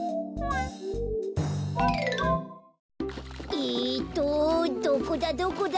えっとどこだどこだ！